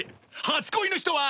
初恋の人は？